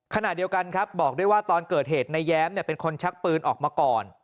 ขณะเดียวกันครับบอกด้วยว่าตอนเกิดเหตุนายแย้มเป็นคนชักปืนออกมาก่อน